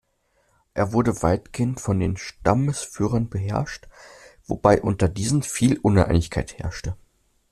Er wurde weitgehend von den Stammesführern beherrscht, wobei unter diesen viel Uneinigkeit herrschte.